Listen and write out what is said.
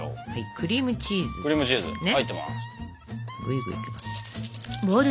クリームチーズ入ってます。